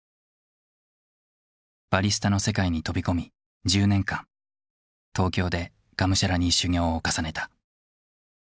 バリスタの世界に飛び込み１０年間東京でがむしゃらに修業を重ねた。